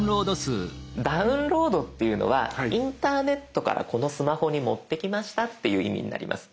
ダウンロードっていうのはインターネットからこのスマホに持ってきましたっていう意味になります。